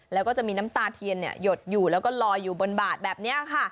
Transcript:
แล้วก็จะมีน้ำตาเทียนหยดอยู่แล้วก็ลอยอยู่บนบาดแบบนี้ค่ะ